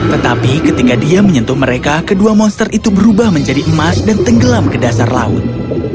tetapi ketika dia menyentuh mereka kedua monster itu berubah menjadi emas dan tenggelam ke dasar laut